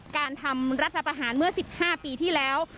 การทำรัฐประหารเมื่อ๑๕ปีที่แล้ว